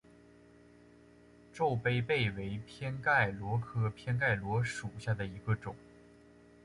皱杯贝为偏盖螺科偏盖螺属下的一个种。